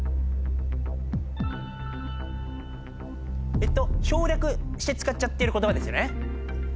えっと省略して使っちゃっている言葉ですよね？